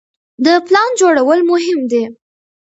د پلان جوړول مهم دي.